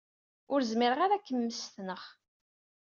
Ur zmireɣ ara ad kem-mmestneɣ.